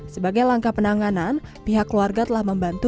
sebagai langkah penanganan pihak keluarga telah membantu